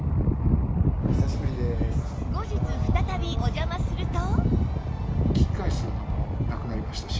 後日再びお邪魔すると